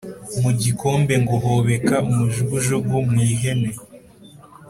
Mu gikombe ngo hobeka-Umujugujugu mu ihene.